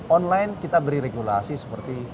online kita beri regulasi seperti